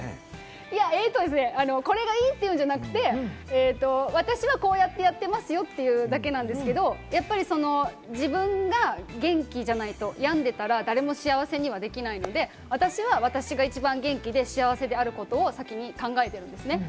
これがいいというわけじゃなくて、私はこうやってやっていますよというだけなんですけれども、自分が元気じゃないと病んでいたら誰も幸せにできないので、私は私が元気で幸せであることを先に考えているんですね。